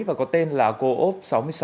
và có tên là co op sáu mươi sáu